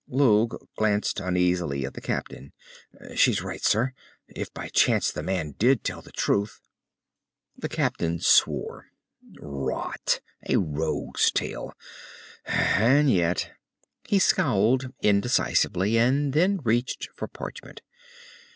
Lugh glanced uneasily at the captain. "She's right, sir. If by chance the man did tell the truth...." The captain swore. "Rot. A rogue's tale. And yet...." He scowled indecisively, and then reached for parchment.